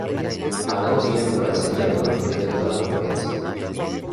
Al año siguiente aparecería en el mejor quinteto de la conferencia.